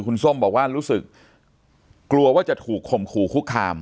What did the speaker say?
คุณส้มบอกว่ารู้สึกกลัวว่าจะถูกข่มขู่คุกคาม